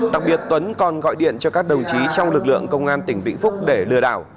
đặc biệt tuấn còn gọi điện cho các đồng chí trong lực lượng công an tỉnh vĩnh phúc để lừa đảo